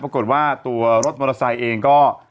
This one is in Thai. ปรากฏว่าตัวรถมอเตอร์ไซค์เองก็